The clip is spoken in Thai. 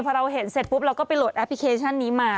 พอเราเห็นเสร็จปุ๊บเราก็ไปโหลดแอปพลิเคชันนี้มา